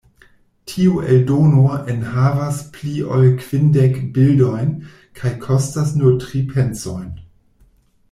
Tiu eldono enhavas pli ol kvindek bildojn kaj kostas nur tri pencojn.